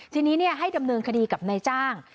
ทีนี้ให้ดำเนินคดีกับนายจ้าง